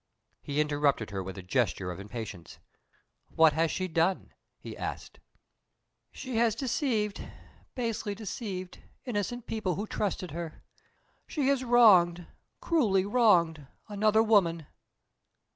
He interrupted her with a gesture of impatience. "What has she done?" he asked. "She has deceived basely deceived innocent people who trusted her. She has wronged cruelly wronged another woman."